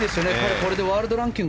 これでワールドランキング